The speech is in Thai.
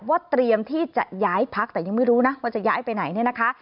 เตรียมที่จะย้ายพักแต่ยังไม่รู้นะว่าจะย้ายไปไหนเนี่ยนะคะ